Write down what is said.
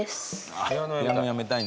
ピアノやめたい。